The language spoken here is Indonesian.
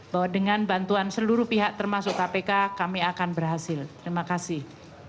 bahwa dengan bantuan seluruh pihak termasuk kpk kami akan berhasil terima kasih